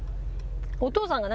お父さんが。